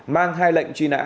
mang hai lệnh truy nã